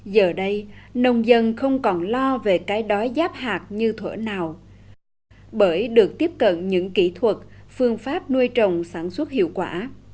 giờ đây nông dân không còn lo về cái đói giáp hạt như thổ nào bởi được tiếp cận những kỹ thuật phương pháp nuôi trồng sản xuất hiệu quả